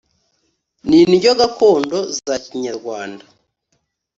n’indyo gakondo za Kinyarwanda